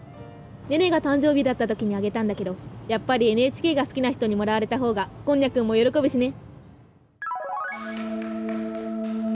誕生日だった時にあげたんだけどやっぱり「ＮＨＫ」が好きな人にもらわれたほうがこんにゃくんも喜ぶしね。